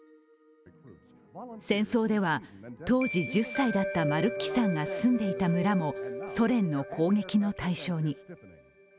戦争では、当時１０歳だったマルッキさんが住んでいた村もソ連の攻撃の対象に。